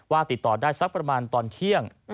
ติดต่อได้สักประมาณตอนเที่ยง